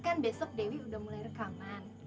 kan besok dewi udah mulai rekaman